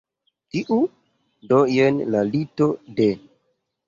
Tiu? Do jen la lito de